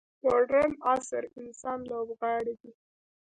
مډرن عصر انسان لوبغاړی دی.